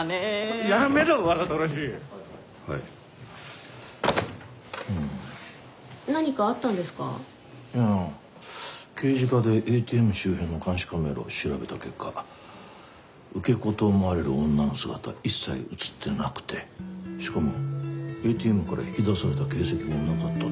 いやぁ刑事課でＡＴＭ周辺の監視カメラを調べた結果受け子と思われる女の姿は一切映ってなくてしかもＡＴＭから引き出された形跡もなかったっていうんだ。